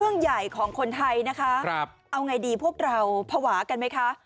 เรื่องใหญ่ของคนไทยนะคะเอาไงดีพวกเราภาวะกันไหมคะ